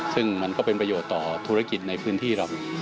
ซึ่งมันก็เป็นประโยชน์ต่อธุรกิจในพื้นที่เรา